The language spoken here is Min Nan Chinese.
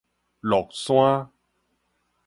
樂山